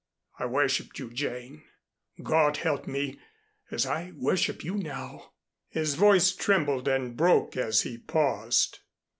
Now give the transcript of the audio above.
I worshiped you, Jane, God help me, as I worship you now." His voice trembled and broke as he paused.